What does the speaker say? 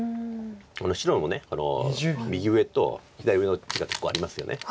この白の右上と左上の地が結構ありますよね。